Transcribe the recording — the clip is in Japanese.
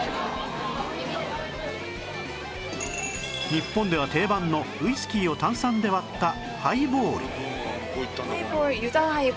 日本では定番のウイスキーを炭酸で割ったハイボール